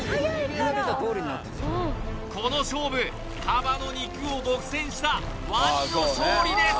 この勝負カバの肉を独占したワニの勝利です